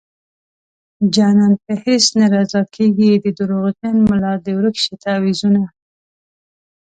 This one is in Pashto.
جانان په هيڅ نه رضا کيږي د دروغجن ملا دې ورک شي تعويذونه